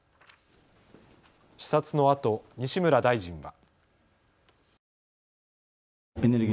視察のあと西村大臣は。